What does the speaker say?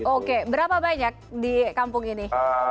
oke berapa banyak di kampung ini